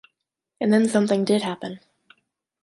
And then something did happen.